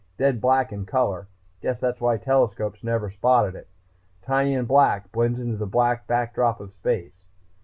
Dead black in color. Guess that's why telescopes never spotted it. Tiny and black, blends into the black backdrop of space.